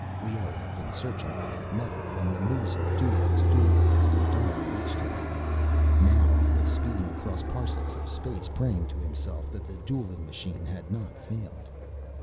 Leoh had been searching for that method when the news of Dulaq's duel against Odal reached him. Now he was speeding across parsecs of space, praying to himself that the dueling machine had not failed.